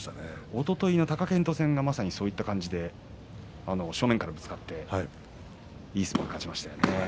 おとといの貴健斗戦がまさに、そういった感じで正面からぶつかっていい相撲で勝ちましたよね。